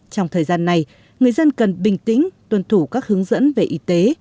trong thời gian này người dân cần bình tĩnh tuân thủ các hướng dẫn về y tế